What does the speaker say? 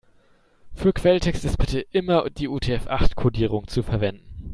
Für Quelltext ist bitte immer die UTF-acht-Kodierung zu verwenden.